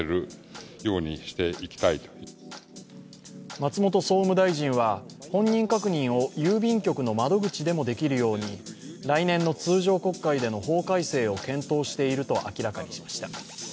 松本総務大臣は本人確認を郵便局の窓口でもできるように来年の通常国会での法改正を検討していると明らかにしました。